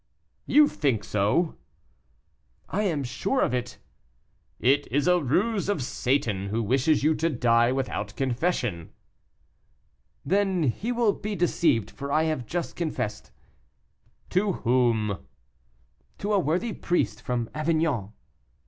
"You think so?" "I am sure of it." "It is a ruse of Satan, who wishes you to die without confession." "Then he will be deceived, for I have just confessed." "To whom?" "To a worthy priest from Avignon."